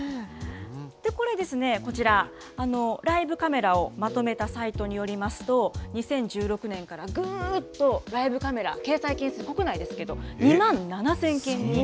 これですね、こちら、ライブカメラをまとめたサイトによりますと、２０１６年からぐーっと、ライブカメラ、掲載件数国内ですけど、２万７０００件に。